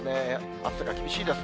暑さが厳しいです。